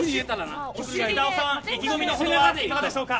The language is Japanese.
板尾さん意気込みはいかがでしょうか。